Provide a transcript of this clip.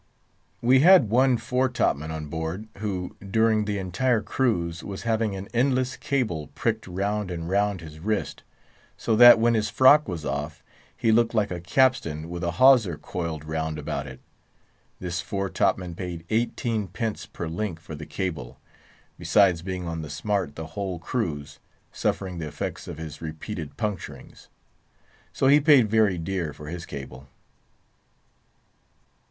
We had one fore top man on board, who, during the entire cruise, was having an endless cable pricked round and round his waist, so that, when his frock was off, he looked like a capstan with a hawser coiled round about it. This fore top man paid eighteen pence per link for the cable, besides being on the smart the whole cruise, suffering the effects of his repeated puncturings; so he paid very dear for his cable.